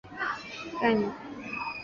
单应性是几何中的一个概念。